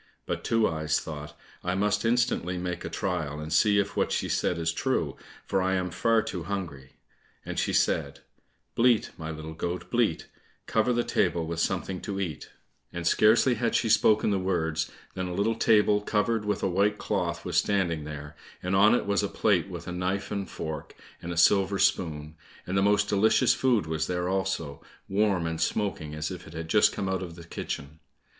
But Two eyes thought, "I must instantly make a trial, and see if what she said is true, for I am far too hungry," and she said, "Bleat, my little goat, bleat, Cover the table with something to eat," and scarcely had she spoken the words than a little table, covered with a white cloth, was standing there, and on it was a plate with a knife and fork, and a silver spoon; and the most delicious food was there also, warm and smoking as if it had just come out of the kitchen.